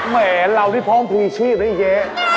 แหมล้วที่พร้อมพูดชีดไอ้เจ๊